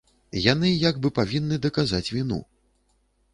Яны як бы павінны даказаць віну.